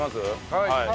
はい。